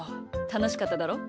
たのしかっただろ？